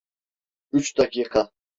Üç dakika.